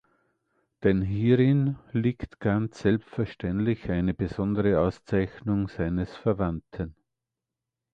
Denn hierin liegt ganz selbstverständlich eine besondere Auszeichnung seines Verwandten.